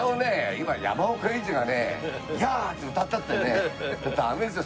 今山岡英二がねヤーッ！って歌ったってねダメですよ。